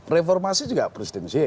reformasi juga presidensial ya kan